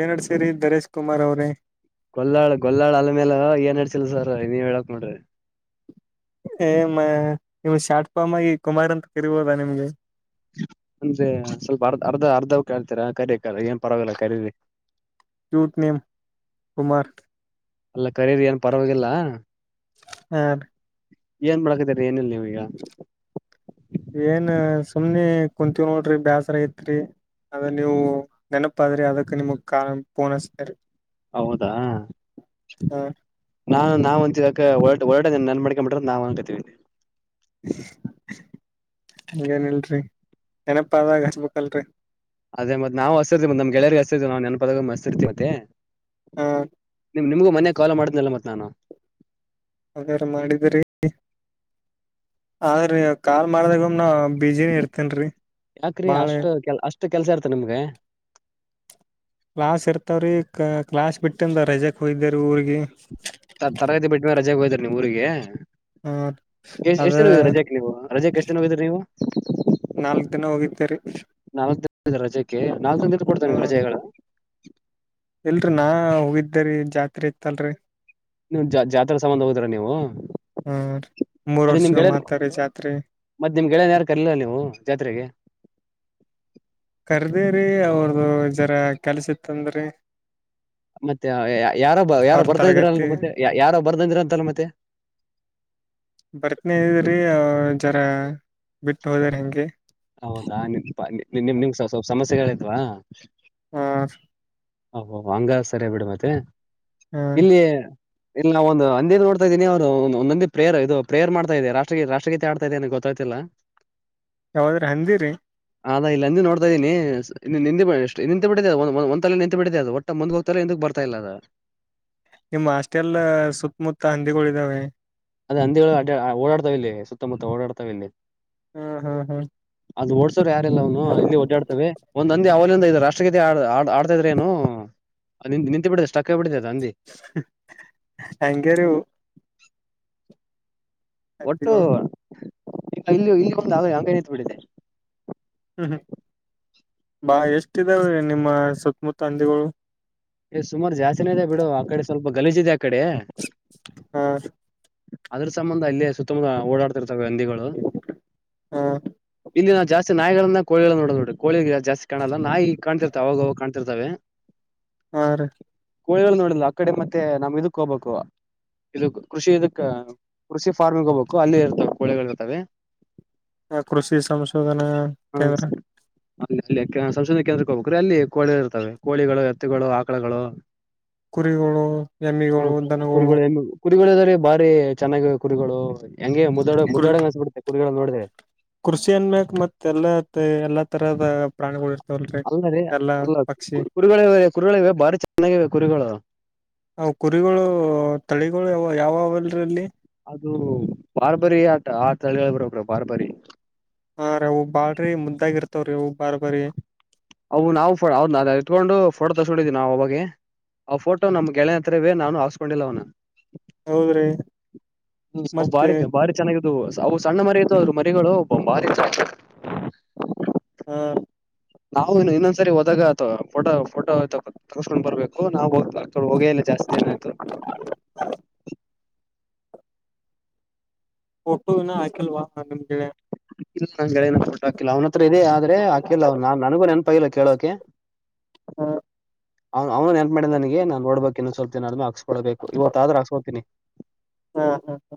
ಏನ್ಡ್ಸರಿ ದರೇಶ್ ಕುಮಾರ್ ಅವ್ರೇ ಗೊಲ್ಲಾಳ ಗೊಲ್ಲಾಳ್ ಅಲ್ ಮೇಲೆ ಏನ್ಡ್ಸಿಲ್ಲ ಸರ್ ನೀವ್ ಹೇಳಾಕ್ ನೋಡ್ರಿ ಏ ನಿಮ್ ಶಾಟ್ಫಾಮಾಗಿ ಕುಮಾರ್ ಅಂತ ಕರಿಬೋದಾ ನಿಮ್ಗೆ ಅಂದ್ರೆ ಸ್ವಲ್ಪ ಅರ್ಧ ಅರ್ಧ ಅರ್ಧವ ಕೇಳ್ತೀರಾ ಕರಿ ಏನ್ ಪರವಾಗಿಲ್ಲ ಕರಿೀರಿ ಕ್ಯೂಟ್ ನೇಮ್ ಕುಮಾರ್ ಅಲ್ಲ ಕರೀರಿ ಏನ್ ಪರವಾಗಿಲ್ಲ ಹ ಏನ್ ಮಾಡಕಿದೀರಿ ಏನಿಲ್ಲ ನೀವು ಈಗ ಏನ್ ಸುಮ್ನೆ ಕುಂತೀವ ನೋಡ್ರಿ ಬೇಸರ ತ್ರಿ ಅದ ನೀವು ನೆನಪಾದ್ರಿ ಅದಕ್ ನಿಮಗ್ ಕಾ ಪೋನಸ್ತೇರಿ ಹೌದಾ ಹ ನಾ ನಾವ್ ಅಂತಿದಡೆ ನನ್ ಮಾಡ್ಕೊಂಡ್ [unintelligible] ಬಿಿ್ರೆ ನಾವವು ಅನ್ಕತೀವಿ ಹಂಗೇನಲ್ರಿ ನೆನಪ ಆದಾಗ ಹಚ್ಬೇಕಲ್ರರಿ ಅದೇ ಮತ್ ನಾವು ಹಸರ್ತಿವಿ ನಮಗೆಳೆರಿಗೆಸತಿವಿ ನಾವು ನೆನ ಪಫದಕ ಮ ಹಸ್ತರಿತಿವಿ ಮತ್ತೆ ಹಾ ನಿಮ್ಗೂ ಮನೆ ಕಾಲ್ ಮಾಡದನಲ್ಲ ಮತ್ತೆ ನಾನು ಅದೆರಿ ಮಾಡಿದ್ರರಿ ಆದ್ರಿ ಕಾಲ್ ಮಾಡ್ದಾಗಮ್ನ ಬೀಜಿನ ಇರ್ತೇನ್ರಿ ಬಾಳೆ ಎಷ್ಟು ಕೆಲ್ಸ ಇರ್ತ ನಿಮ್ಗೆ ಕ್ಲಾಸ್ ಇರ್ತಾವ್ರಿ ಊರಗೆ ತರಗತಿ ಬಿಟ್ಟ ಮೇಲೆ ರಜೆಗೆ ಹೋಯಿದ್ರಿ ನೀವು ಊರಿಗೆ ಹ ಎ ಅದ ಎಷ್ಟ್ ದಿನ ಹೋಗರಿ ರಜಾಕ್ ನೀವು ರಜಕ್ ಎಷ್ಟ್ ದಿನ ಹೋಗಿದ್ರಿ ನೀವು ನಾಲ್ಕ್ ದಿನ ಹೋಗಿದ್ದರಿ ರಜೆಕೆ ನಾಲ್ಕ ತಂದ ಕೊಡ್ತಾನ ರಜೆಗಳ ಇಲ್ರಿ ನಾಹೋಗಿದ್ದೇರೀ ಜಾತ್ರೆ ಇತ್ತಲ್ರಿ ನೀವು ಜಾ ಜಾತ್ರೆ ಸಂಬಂಧ ್ರ ನೀವು ಹ್ಮ್ ಮೂರ್ ಮತ್ತೆ ನಿಮ್ ವರ್ಷಗ ಗೆಳೆಯ ಮಾತಾರಿ ಜಾತ್ರಿ ಮತ್ತೆ ನಿಮ್ ಗೆಳೆಯನ್ ಯಾರು ಕರಲಿಲ್ಲ ನೀವು ಜಾತ್ರೆಗೆ ಕರ್ದಿರಿ ಅವ್ರದು ಜರ ಕೆಲ್ಸ ಇತ್ತಂದ್ರಿ ಮತ್ತೆ ಯಾರೋ ಬ ಯಾರೋ ಅವ್ರ ಬರ್ದಿದಿ್ರ ಅಲ್ ತರಗತಿ ಮತ್ತೆ ಯಾರ ಬರ್ದ ಇದ್ರ ಅಂತಲ್ಲ ಮತ್ತೆ ಬರ್ತನ ಇದ್ರಿ ಜರ ಬಿಟ್ಟು ಹೋದಾರ ಹೆಂಗೆ ಸಗಳಿದ್ವಾ ಹ ಹ ಹಂಗ ಸರಿ ಬಿಡು ಮತ್ತೆ ಹ ಇಲ್ಲಿಯ ಇಲ್ಲಿ ನಾವ ಒಂದು ಹಂದೇ ನೋಡ್ತಾ ಇದೀನಿ ಅವ್ರು ಒಂದೊಂದಿ ಪ್ರೇಯರ್ ಇದು ಪ್ರೇಯರ್ ಮಾಡ್ತಾ ಇದೆ ರಾಷ್ಟ್ರೀ ರಾಷ್ಟ್ರಗೀತೆ ಆಡ್ತಾ ಇದೆ ಅನ ಗೊತ್ತಾಗ್ತಿಲ್ಲ ಯಾವಾದ್ರ ಹಂದಿರಿರಿ ಅದಾ ಇಲ್ಲ ಅಂದ ನೋಡ್ತಾ ಇದೀನಿ ನಿಂತುಬಿಟ್ಟಿದೆ ಬಿಟ್ಟ ನಿಂತು ಬಿಟ್ಟಿದೆ ಅ ಒಟ್ಟ ಮುಂದ್ ಹೋಗ್ತಾರೆ ಎಂತಕ್ ಬರ್ತಾ ಇ ಅ ನಿಮ್ಮ್ ಅಷ್ಟೆಲ್ಲ ಸುತ್ತಮುತ್ತ ಹಂದಿಗಳಿದಾವೆ ಅದೇ ಹಂದಿಗಳು ಓಡಾಡ್ತಾವ ಇಲ್ಲೀ ಸುತ್ತಮುತ್ತ ಓಡಾಡ್ತಾವ ಇಲ್ಲಿ ಹ್ಮ್ ಹ್ಮ್ ಹ್ಮ್ ಅದು ಯಾರೆಲ್ಲ ಅವನು ಇಲ್ಲಿ ಓಡ್ಡಾಡ್ತವೆ ಒಂದಂದ ಅವ ಇದು ರಾಷ್ಟ್ರಗೀತಿ ಆಡ್ತಾ ಇದ್ರ ನು ನಿಂತು ಬಿಡಿದೆ ಸಟಕ್ಕ ಬಿಡ ಹಂಗಾರ [inaudible] ಒಟ್ಟು ಹಂದಿಗಳು ಈಗ ಇಲ್ಲಿ ಇಲ್ಲಿ ಬಂದು ಹಂಗ ನಿಂತ ಬಿಡಿದೆ ಹ್ಮ್ ಹ್ಮ್ ಬಾ ಎಷ್ಟ ಇದಾವೀ ನಿಮ್ಮ ಸುತ್ತಮುತ್ತ ಹಂದಿಗಳು ಸುಮಾರು ಜಾಸ್ತಿ ದೆ ಬಿಡು ಆ ಕಡೆ ಸ್ವಲ್ ಗಲೀಜಿದೆದೆ ಅ ಕಡೆ ಹಾ ಅದ್ರ ಸಂಬಂಧ ಅಲ್ಲೇ ಸುತ್ತಮುತ್ತ ಓಡಾಡ್ತಿರ್ತವೆ ಹಂದಿಗಳು ಹ ಇಲ್ಲಿಿನ ಜಾಸ್ತಿ ನಾಯಿಗಳ ಕೋಳಿ ನೋ ನೋಡಿಳಿ ಜಾಸ್ತಿ ಕಾಣಲಾ ನಾಯಿ ಕಾಣ್ತಿರ್ತ ಅವಾಗ ಕಾಣತ ರ್ತವೆ ಹ ಕೋಳಿಗಳು ನೋಡಿಲ್ಲ ಆ ಕಡೆ ಮತ್ತೆ ನಮ್ ಇದಕ್ ಹೋಗ್ಬೇಕು ಇದ ಕೃಷಿ ಇದಕ್ ಕೃಷಿ ಫಾರ್ಮಿಗೆ ಹೋಗ್ಬೇಕು ಅಲ್ಲಿ ಇರ್ತವೆ ಕೋಳೆಗಳ ಇರ್ತವೆ ಆ ಕೃಷಿ ಸಂಶೋಧನಾ ಕೇಂದ್ರ ಅಲ್ಲಿ ಅಲ್ಲಿ ಸಂಶೋಧನಾ ಕೇಂದ್ರಕ್ಕೆ ಹೋಗಬೇಕ್ರೀ ಅಲ್ಲಿ ಕೋಳಿ ಇರ್ತಾವವೆ ಕೋಳಿಗಳು ಎತ್ತುಗಳು ಆಕಳಗಳು ಕುರಿಗಳು ಹ ಎಮ್ಮಿಗಳು ದನಗಳು ಕುರಿಗಳು ರಿ ಬಾರಿ ಚೆನ್ನಾಗಿ ಕುರಿಗಳು ಹಂಗೆ ಮುದಡ ಕುರಿ ಮುದಡ ಅನ್ಸಬ ಬಿಡ್ಬೇಕು ನೋಡಿದ್ರರೆ ಕೃಷಿ ಅನ್ಬೇಕಕ್ ಮತ್ತ ಎಲ್ಲ ಎಲ್ಲಾ ತರದ ಪ್ರಾಣಿಗಳು ಇ ಅಲ್ಲ ರೀ ಅಲ್ಲ ಕು ಕುರುಗಳ ಕುರುಗಳ ಬಾರಿ ಚ ಚೆನ್ನಾಗಿವೆ ಕುರಿಗಳು ಥಳಿಗಳು ಯಾವ ಯಾವ ಯಾವೆಲ್ರಲ್ಲಿ ಅದು ಬಾರ್ಬರಿ ಆಟ ಆಟಳ ಹೇಳಳ್ಬರಬ್ರ ಬಾರ್ಬರಿ ಹಾ ರೀ ಹವು ಬಾಳ್ರಿ ಮುದ್ದಾಗಿರ್ತವ್ರೀ ಹೂವು ಬಾರ್ ಬಾರಿ ಅವು ನಾವು ನ ಇತ್ಕೊಂಡು ಫೋಟೋ ತಸ್ಕೊಂಡಿದೀವಿ ನಾವು ಅವಾಗಗೆ ಅವ ಫೋಟೋ ನಮ್ ಗೆಳೆ ಹತ್ರವೇ ನಾನು ಹಾಸ್ಕೊಂಡಿಲ್ಲ ಅವ್ನ ಹೌದ್ರಿ ಹ್ಮ ಮತ್ತೆ ಬಾರಿ ಭಾರಿ ಚೆನ್ನಾಗಿತ್ತು ಅವು ಸಣ್ಣ ಮರಿ ಅವ್ರ ಮರಿಗಳು ಒಬ್ಬೊಂಬಾರಿ ಚಾ ಹಾ ನಾವು ಇನ್ನೊಂದ್ಸರಿ ಹೋದಾಗ ಅಥವಾ ಫೋಟೋ ಫೋಟೋ ತಗರ್ಸ್ಕೊಂಡ್ ಬರ್ಬೇಕು ನಾವ್ ಹೋಗ್ಬೇಕ ತೊಂಡ ಹೋಗೇ ಇಲ್ಲ ಜಾಸ್ತಿ ಜನ ಆಯ್ತು ಟ್ಟೋನ ಆಯ್ಕಲ್ವಾ ನಿಮ್ಗೆಡೆ ನ ಹಾಕಿಲ್ಲ ಅವ್ನ ಹತ್ರ ಇದೆ ಆದ್ರೆ ಹಾಕಿಲ್ಲ ಅವ ನನಗೂ ನೆನಪ ಇಲ್ಲ ಕೇಳೋಕೆ ಹ ಅವ ಅವ್ನು ನನ್ ಮಾಡಿದ ನನಗೆ ನನ್ ನೋಡ್ಬೇಕು ಲ್ ಾದೆ ಹಾಸ್ಕೊಳ್ಬೇಕು ಇವತ್ತು ಆದ್ರ ಹಾಕ್ಕತಿನಿ ಹಾ ಹಾ ಹಾ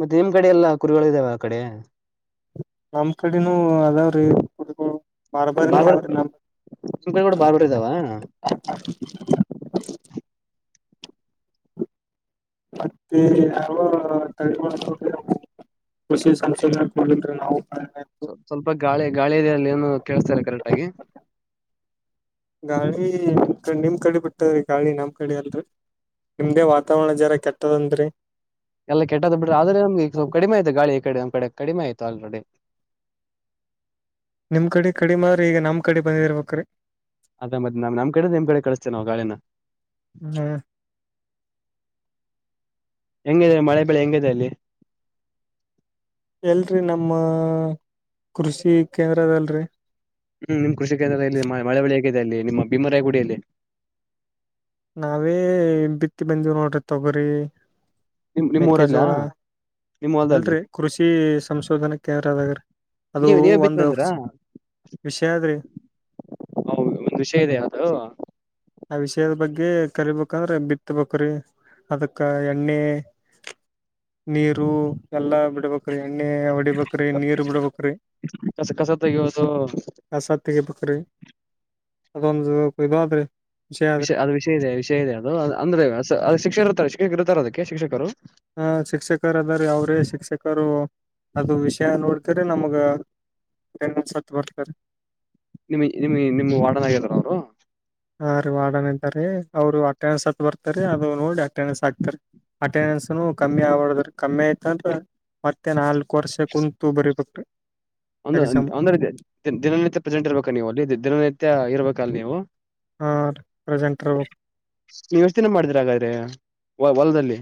ಮತ್ತೆ ನಿಮ್ ಕಡೆ ಎಲ್ಲ ಕುರಿಗಳು ಇದಾವ ಆ ಕಡೆ ನಮ್ ಕಡೆನೂ ಅದಾವ್ರೆ ಕುಕ ಮರಬರ ಬಾರ್ಬರ್ ನಿಮ್ ಕಡೆ ಕೂಡ ಬಾರ್ಬರ್ ಇದಾವ ಮತ್ತೆ ಯಾವ ತಳವ್ರವು ಕೃಷಿ ಸಂಶೋಧನೆ ಕೊಡಿದ್ರ ನಾವು ಸ್ವಲ್ಪ ಸ್ವಲ್ಪ ಗಾಳಿ ಗಾಳಿದೆರಲ್ಲಿ ಏನು ಕೇಳಸ್ತಾರೆ ಕರೆಕ್ಟ್ ಆಗಿ ಗಾಳಿ ನಿಮ ಕ ನಿಮ್ ಕಡೆ ಬಿಟ್ಟದ್ರೀ ಗಾಳಿ ನಮ್ ಕಡೆ ಅಲ್ರರಿ ನಿಮ್ದೇ ವಾತಾವರಣ ಜರಾ ಕೆಟ್ಟದಂತರಿ ಎಲ್ಲ ಕೆಟ್ಟದ್ದ್ ಬಿ್ರೆ ಆದ್ರೆಮಗೆ ಸ್ವಲ್ ಕಡಿಮೆ ಆಐತೆ ಗಾಳಿ ಕಡೆ ಕಡೆ ಕಡಿಮೆ ಆಯಿತು ಆಲ್ರೆಡಿ ನಿಮ್ ಕಡೆ ಕಡಿ ಮಾರ್ರಿ ಈಗ ನಮ್ ಕಡೆ ಬಂದಿರ್ಬೇಕ್ರೀ ಅದ್ದ್ ನ್ ನಮ್ ಕಡೆ ನಿಮ್ ಕಡೆ ಕಳಿಸತೇ ನಾವು ಗಾಳನ ಹ್ಮ್ ಹೆಂಗಿದೆ ಮಳೆ ಬೆಳೆ ಹೆಂಗಿದೆ ಅಲ್ಲಿ ಎಲ್ರರಿ ನಮ್ಮ ಕೃಷಿ ಕೇಂದ್ರದಲ್ರಿ ಹ್ಮ್ ನಿಮ್ ಕೃಷ ಕೇಂದ್ರ ಇ ಮಳೆಳಿ ಹೇಗಿದೆ ಅಲ್ಲಿ ನಿ ಮಬಿ ಮರಾಯಗಡ ಅಲ್ಲ ನಾವೇ ಬಿತ್ತಿ ಬಂದವು್ ನೋಡ್ರಿ ತೊಗರಿ ನಿಮ್ ಮೆಕ್ಕೆಜೋಳ ನಿಮ್ಮೂಊರಲ್ಲಯ ಅಲ್ರರಿ ಕೃಷಿ ಸಂಶೋಧನಾ ಕೇಂದ್ರ ಅದಾಗ್ರಿ ಅದು ನೀವ್ ನೀವೇ ಬಿತ್ ಒಂದು ಬಂದ್ರಾ ವಿಷಯ ಅದ್ರಿ ಒಂದ್ ವಿಷಯ ಇದೆ ಅದು ಆ ವಿಷಯದ ಬಗ್ಗೆ ಗೆ ಕಲಿಬೇಕಂದ್ರೆ ಬಿತ್ತಬೇಕ್ರೀ ಅದಕ್ಕ ಎಣ್ಣೆ ನೀರು ಎಲ್ಲಾ ಬಿಡ್ಬೇಕ್ರಿ ಎಣ್ಣೆ ಹೊಡಿಬೇಕ್ರಿ ನೀರು ಬಿಡ್ಬೇಕ್ರಿ ಕಸ ಕಸ ತೆಗೆಯೋದು ಕಸಾ ತೆಗಿಬೇಕ್ರಿ ಅದೊಂದು ಇದು ಆದ್ರೆ ವಿಷಯ ಅದು ವಿಷಯ ಇದೆ ವಿಷಯ ಇದೆ ಅದು ಅಂದ್ರೆ ಅ ಶಿ ಇರಾತ್ರೆ ಶಿಕ್ಷಕ ಇರುತ ಅದಕ್ಕೆ ಶಿಕ್ಷಕರು ಆ ಶಿಕ್ಷಕರ ಅದಾರಿ ಅವ್ರೇ ಶಿಕ್ಷಕರು ಅದು ವಿಷಯ ನೋಡ್ತ್ರ ನಮ್ಗ ಸತ್ ಬರ್ತಾರೆ ನಿಮ ನಿಮ್ ನಿಮ್ ವಾಡನಾಗದರು ಅವರು ಹಾ ವಾರ್ಡನ್ ಇದಾರೆ ಅವರು ಅಟೆಂಡನ್ಸ್ ಹತ್ ಬರ್ತಾರೆ ಅದು ನೋಡಿ ಅಟೆಂಡನ್ಸ್ ಹಾಕ್ತಾರೆ ಅಟೆಂಡೆನ್ಸ್ ಕಮ್ಮಿ ಆ್ರ ಕಮ್ಮಿ ಆಯ್ತ ಅಂದ್ರ ಮತ್ತೆ ನಾಲ್ಕು ವರ್ಷ ಕುಂತು ಬರೀಬೇಕರಿ ದ ಅಂದ್ರೆ ದಿನನಿತ್ಯ ಪ್ರೆಸೆಂಟ್ ಇರ್ಬೇಕ ನೀವು ಅಲ್ಲಿ ದಿನನಿತ್ಯ ಮತ್ಯ ಇರ್ಬೇಕಲ್ ನೀವು ಹಾ ರೀ ಪ್ರೆಸೆಂಟ್ ಇರ್ಬೇಕ್ ನೀಸ್ನ ಮಾಡಿದ್ರ ಹಾಗಗಾದ್ರೆ ವ ಹೊಲದಲ್ಲಿ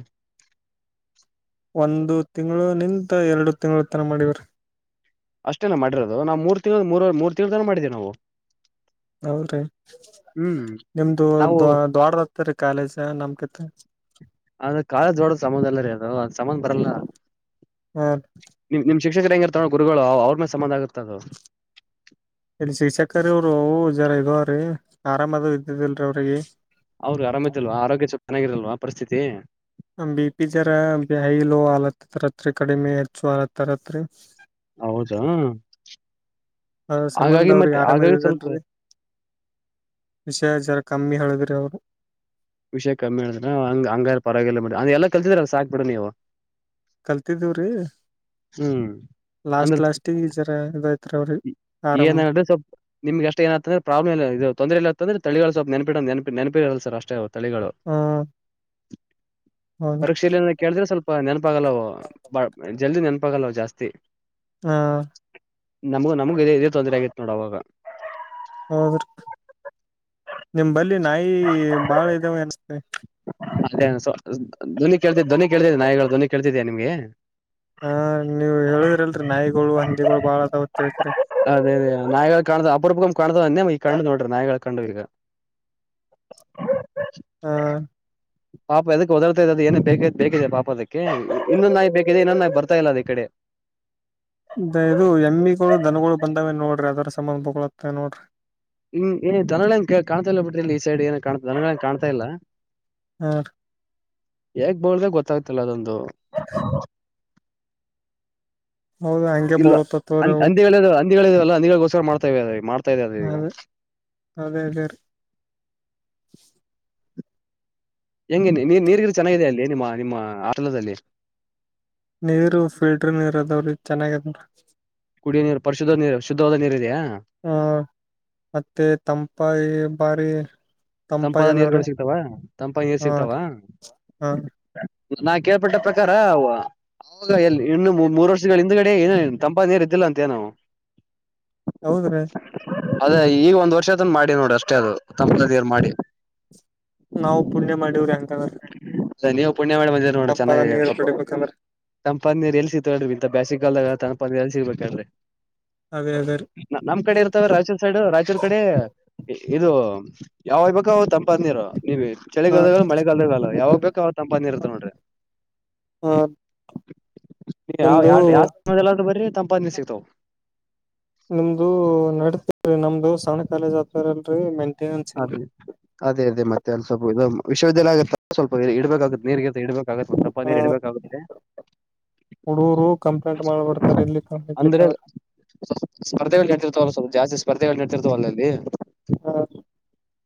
ಒಂದು ತಿಂಗಳು ನಿಂತ ಎರಡು ತಿಂಗಳು ತನ ಮಾಡಿವ್ರ ಅಷ್ಟೇನ ಮಾಡಿರೋದು ನಾವು ಮೂರು ತಿಂ ಮೂರ ಮೂರು ತಿಂಗಳುನ ಮಾಡಿದೀವಿ ನಾವು ಹೌ ರೀ ಹ್ಮ್ ನಿಮ್ದು ನಾವು ದ ದೊಡದ ಹತ್ತರಿ ಕಾಲೇಜ ನಮ್ ಕತೆ ಅದ್ರ ಕಾಳಜ್ ದೋಡೋ ಸಮುದ ಎಲ್ಲರ ಅದು ಸಮನ್ ಬರಲ್ಲ ಹಾ ನಿ ಶಿಕ್ಷಕರ ಹೆಂಗಿ ಇರ್ತಾವ ಗುರುಗಳು ಅವ್ರ ಮೇಲೆ ಸಂಬಂಧ ಆಗತದು ಇಲ್ಲಿ ಶಿಕ್ಷಕರ ಅವರು ಜರ ಇದವ್ರೀ ಆರಾಮದ ಇದ್ದದಲ್ರೀ ಅವ್ರಿಗೆ ಅವ್ರು ಆರಾಮ ಇದ್ದಲ್ವ ಆರೋಗ್ಯ ಚಪ್ ಚೆನ್ನಾಗಿರಲ್ ಪರಿಸ್ಥಿತಿ ಬಿ ಪಿ ಜರ ಬಾಯಿಲೋ ಆಲತ್ತ ತರತ್ರಿ ಕಡಿಮೆ ಹೆಚ್ಚು ಆಲತ್ತರತ್ರಿ ಹೌದಾ ಅದ್ರ ಸಂಬಂಧ ಹಾಗಾಗಿ ಅವ್ರಿಗೆ ಮತ್ತೆ ಆರಾಮ್ ಹಾಗಾಗಿ ಸ್ವಲ್ಪ ಇದಿದಿಲ್ರಿ ವಿಷಯ ಜರ ಕಮ್ಮಿ ಹಳಗ್ರ ಅವರು ವಿಷಯ ಕಮ್ಮಿ ಹೇಳಿದ್ರ ಹಂಗ ಹಂಗಾರ ಪರವಾಗಿಲ್ಲಂಗ ಎಲ್ಲ ಕಲ್ತಿದ್ರ ಸಾಕ್ಬಿಡ ನೀವು ಕಲ್ತಿದವ್ರಿ ಹ್ಮ್ ಅಂದ್ರೆ ಜರ ಇದೈತ್ರಿ ಅವ್ರಿಗೆ ಏನ ಆರಾಮ್ ಹೇಳ್ರೆ ಸ್ವಲ್ಪ ನಿಮ್ಗೆ ಅಷ್ಟ ಏನತ್ತಂದ್ರೆ ಪ್ರಾಬ್ಲಮ್ ಇಲ್ಲ ತೊಂದರೆ ಇಲ್ಲತ್ತಂದ್ರೆ ತಳಿ ನೆಪಿ ನನಿನಪಿ ಹೇಳಲ್ಲ ಸರ್ ಅಷ್ಟೇ ತಳಿಗಳು ಹ್ಮ್ ಹೌದ್ರಿ ಪರೀಕ್ಷೆಯಲ್ಲಿ ಕೇಳಿದ್ರೆ ಸ್ವಲ್ಪ ನೆನಪಾಗಲ್ಲ ವ ಜಲ್ದ ನಾನು ಪ್ಪಾಗಲ್ಲ ಜಾಸ್ತಿ ಹಾ ನಮಗ ನಮಗ ಇ ಇದೇ ತೊಂದ್ರ ಆಗಿತ್ತು ನೋಡ ಅವಾಗ ಹೌದ್ರಿ ನಿಮ ಬಲ್ಲಿ ನಾಯಿ ಬಾಳ ಇದಾವ ಅನ್ ಅದೇ ಧ್ವನಿ ಕೇಳ್ತಿದ ಕೇಳ್ತಿದಿ ನಾಯಿಗಳು ಧ್ವನಿ ಕೇಳ್ತಿದ ನಿಮ್ಗೆ ಹ ನೀವ್ ಹೇಳುದ್ರಲ್ರಿ ನಾಯಿಗಳು ಹಂದಿಗಳು ಬಾಳದ ಗತ್ತಕೇರಿ ಅದೇ ಅದೇ ನಾಯಿ ಕಾಣದ ಅಪರೂಪ ಕಾಣದ ಅಂದೆ ಕಂಡು ನೋಡ್ರಿ ನಾಯಿ ಕಂಡುಲ್ಗ ಹ್ಮ ಪಾಪ ಎದಕ್ಕೆ ದಡ್ತಾ ಇದದ ಏನ ಬೇಕ ಬೇಕಿದೆ ಪಾಪ ಅದಕ್ಕೆ ಇನ್ನೊಂದ ನಾಯಿ ಬೇಕಿದೆ ಇನ್ನೊಂದ ನಾಯಿ ಬರ್ತಾ ಇಲ್ಲ ಅದ ಈ ಕಡೆ ಇದು ಎಮ್ಮಿಗಳು ದನಗಳು ಬಂದಾವೇ ನೋಡ್ರಿ ಅದರ ಸಂಬಂಧ ಬೊಗಳುತ್ತೆ ನೋಡ್ರಿ ಹ್ ಏ ದನಗಳ ಕಾಣ್ತಾ ಇಲ್ಲ ಬಿಟ್ರಿ ಇಲ್ಲಿ ಈ ಸೈಡ್ ಏನ ಕಾಣ ದನಗಳನ್ ಕಾಣ್ತಾ ಇಲ್ಲ ಹಾ ಹೇಗ್ ಬೋಳ್ದ ಗೊತ್ತಾಗ್ತಿಲ್ಲ ಅದೊಂದು ಹೌದ ಹಂಗೆ [unintelligible] [unintelligible] ಮಾಡತವೆ ಅದೇ ಅದೇದೇ ರೀ [inaudible] ಹೆಂಗೆ ನೀರ್ ಚನ್ನಾಗಿದೆ ಅಲ್ಲಿ ನಿಮ್ಮ ನಿಮ್ಮ ಆಟಲದಲ್ಲಿ ನೀರು ಫಿಲ್ಟರ್ ನೀರು ಅದಾವ್ರರೀ ಚೆನ್ನಾಗ ಕುಡಿಯ ನೀರು ಪರಿಶುದ್ಧ ನೀರು ಶುದ್ಧವಾದ ನೀರು ಇದೆಯಾ ಹ್ಮ ಮತ್ತೆ ತಂಪ [unintelligible] ಬಾರಿ ತಂಪಾದ ತಂಪಾಗದಾವ್ರಿ ನೀರುಗಳು ಸಿಗ್ತಾವ ತಂಪಾದ ನೀರು ಹ ಸಿಗ್ತಾವ ಹ ನನ್ ಕೇಳ್ಪಟ್ಟ ಪ್ರಕಾರ [unintelligible] [unintelligible] ಇನ್ನು ಮೂರು ವರ್ಷ ಹಿಂದಗಡೆ ಏನ ತಂಪಾ ನೀರ್ ಇದಿಲ್ಲ ಅಂತ [unintelligible] ಹೌದ್ರೀ ಅದೇ ಈಗ ಒಂದ್ ವರ್ಷದ ಮಾಡಿ ನೋಡು ಅಷ್ಟೇ ಅದು [unintelligible] ಮಾಡಿ [inaudible] ನಾವು ಪುಣ್ಯ ಮಾಡವ್ರಿ ಹಂಗೆ [unintelligible] ಹಾ ನೀವು ಪುಣ್ಯ ಮಾಡಿ ಬಂದಿರಿ ನೋಡು ಚೆನ್ನಾಗಿ ನೀರ್ ಸ್ವಲ್ಪ್ ಕುಡಿಬೇಕಂದ್ರ ತಂಪಾದ ನೀರು ಎಲ್ ಸಿಗ್ತವೆ ಇಂತ ಬೇಸಿಗಾಲದಾಗ ತಪಿ ಎಲ್ ಸಿಗ್ಬು [unintelligible] ಅದೇ ಅದೇ ನಮ್ ಕಡೆ ರೀ ಇರ್ತವೆ ರಾಯಚೂರ್ ಸೈಡ್ ರಾಯಚೂರ್ ಕಡೆ ಇದು ಯಾವಾಗ್ ಬೇಕು ತಂಪಾದ ನೀರು ಹ ಚಳಿಗಾಲದಾಗ ಮಳೆಗಾಲದಾಗಲ್ಲ ಯಾವಾಗ್ ಬೇಕು ತಂಪಾದ ನೀರು ಇರುತ್ತೆ [inaudible] ನೋಡ್ರಿ ಹ [unintelligible] ಯಾವ ನಿಮ್ದು ಯಾವ ಸಮಯ ಬರಿ ತಂಪಾದ ನೀರು ಸಿಗ್ತಾವ ನಿಮ್ದು ನಡತೀ ನಮ್ದು ಸಣ್ಣ ಕಾಲೇಜ್ ಹತ್ರಲ್ರರಿ ಮೆಂಟ ಅದೇ ಅದೇ ಅದೇ ಮತ್ತೆ ಸ್ವಲ್ಪ ಇದು ವಿಶ್ವಿದ್ಯಾಲಯದಾಗ ಸ್ವಲ್ಪ್ ಇಡ್ಬೇಕಾಗುತ್ತೆ ನೀರ್ಗಂತ ಇಡ್ಬೇಕಾಗುತ್ತ ಮತ್ತ ತಂಪಾದ ಹ ನೀರ್ ಇಡ್ಬೇಕಾಗುತ್ತೆ [inaudible] ಹುಡುಗರು ಕಂಪ್ಲೇಂಟ್ ಮಾಡ್ಬಿಡ್ತಾರೆ ಇಲ್ಲಿ ಇಡ್ಲಿಕ್ಕ ಅಂದ್ರೆ ಸ್ಪರ್ಧೆಗಳು ನಡ್ತಿರ್ತವಲ್ಲ ಸ್ವಲ್ ಜಾಸ್ತಿ ಸ್ಪರ್ಧೆಗಳು ನಡ್ತಿರ್ತವಲ್ಲಲ್ಲಿ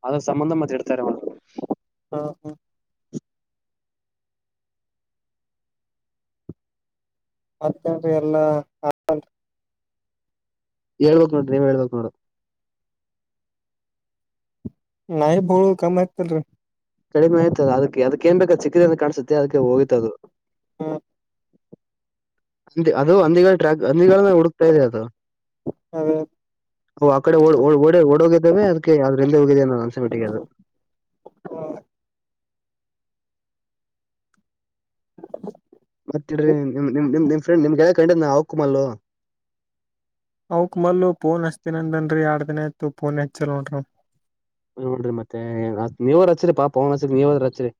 ಆದ್ರೂ ಸಂಬಂಧ ಮತ್ತೆ ಇಡ್ತಾರೆ [unintelligible] ಹಾ ಹಾ ಮತ್ತೇನ್ರಿ ಎಲ್ಲಾ ಹೇಳ್ಬೇಕ್ ನೋಡ್ರಿ ನೀವ ಹೇಳ್ಬೇಕ್ ನೋಡ್ರ ನಾಯಿ ಬೊಗಳೋದು ಕಮ್ಮಿ ಆಯ್ತಲ್ರಿ ಕಡಿಮೆ ಆಯ್ತದಕ್ಕೆ ಅದಕ್ಕೇನ್ ಬೇಕ ಚಿದಿಂದ ಕಾಣಸುತ್ತೆ ಮತ್ತೆ ಅದಕ್ಕೆ ಹೋಯ್ತಧೂ ಹ್ಮ ಅದು ಅಂದಿ ಟ್ರ್ಯಾಕ್ ಹಂದಿಗಳನ್ನ ಹುಡುಕ್ತಾ ಇದೆ ಅದು ಅದೇ ಅವು ಆ ಕಡೆ ಓ ಓಡೋಗಿದ್ದಾವ ಅದಕ್ಕೆ ಯ್ರ ಇಂದೇ ಹೋಗಿದ ಅನ್ಸಬಿಟ್ಟಿಗೆ ಅದು ಹ್ಮ [inaudible] ಮತ್ತೆರಿ ನಿಮ ನಿ ನಿಮ ಫ್ರೆಂಡ ನಿಮ್ ಗೇಲ್ ಕೊಂಡನ್ನ ಹಕಮಲ್ಲು ಅವಕ್ ಮಲ್ಲ ಪೋನ್ ಹಚ್ತನಂದನ್ರಿ ಎಡ್ ದಿನ ಆಯತು ಪಫೋನ್ ಹೆಚ್ಚಲ್ ನೋಡ್ರ ನೋಡ್ರರಿ ಮತ್ತೆ ನೀವ್ರರು ಹಚ್ಚರಿ ಪಾಪ ಅವನ್ ಹಚ್ಚರಿ ನೀವದ್ರ ಹಚ್ಚರಿ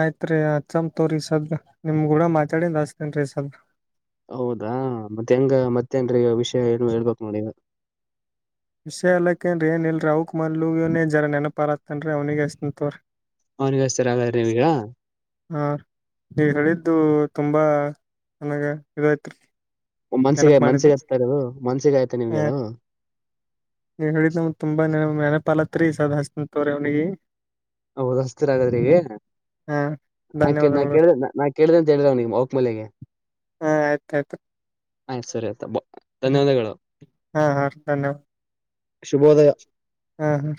ಆಯ್ತ್ ರೀ ಅ ಚಮ ತೋರಿ ಸದ ನಿಮ್ ಗೂಡ ಮಾತಾಡನ್ ಆಸ್ತೇನ್ ರೀ ಸದ್ ಹೌದಾ ಮತ್ತೆ ಹೆಂಗ ಮತ್ತೇನ್ರಿ ವಿಷಯ ಏನು ಹೇಳ್ಬೇಕ ನೋಡಿ ವಿಷಯ ಅಲ್ಲಾೇನ್ ಏನ ಇಲ್ರಿ ಅವ್ಕ ಮಲ್ಲ ಜರ ನೆನಪರ ಅಂದ್ರೆ ಅವನಿಗೆ ಎಷ್ಟುಂತವ್ರ ಅವ್ನಿಗೆ ಹಚ್ತೀರ ಹಾಗಾದ್ರೆ ನೀವೀಗ ಹಾ ನೀ ಹೇಳಿದ್ದು ತುಂಬಾ ನನಾಗ ಇದೈತ್ರಿ ಮನ್ಸಿಗೆ ಮನ್ಸಿಗೆತ ಅದು ಮನ್ಸಿಗಾಯಯತೆ ನಿಮ್ಗೆ ಅದು ನೀ ಹೇಳಿದ ನಮ ತುಂಬಾ ನೆನಪಲತ್ರಿ ಸದಸ್ಂತವ್ರ ಅವ್ನಿಗೆ ಹೌದ ಹಸ್ತಿರ್ ಆಗದ್ರ ಈಗ ಹಾ ನಾ ಧನ್ಯವಾದಗಳು ಕೇಳ ನಾ ಕೇಳ [unintelligible] ಹಾ ಆಯ್ತ ಆಯ್ತು ಆಯ್ತ ಸರಿ ಆಯ್ತಾ ಬ ಹ ಹಾ ಹಾ ಧನ್ಯವಾದ ಶುಭೋದಯ ಹ್ಮ್ ಹ್ಮ